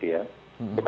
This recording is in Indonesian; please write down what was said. sebenarnya dia masih